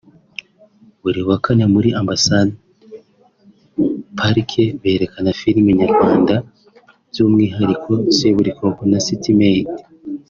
Buri wa Kane muri Ambassador's Park berekana filime nyarwanda by'umwihariko Seburikoko na City Maid